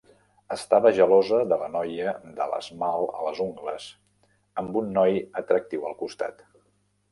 Estava gelosa de la noia de l'esmalt a les ungles amb un noi atractiu al costat.